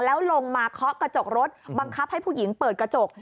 แล้วลงมาเคาะกระจกรถบังคับให้ผู้หญิงเปิดกระจก